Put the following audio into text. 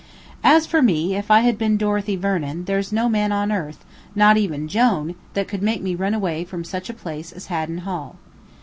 As for me, if I had been Dorothy Vernon, there's no man on earth, not even Jone, that could make me run away from such a place as Haddon Hall.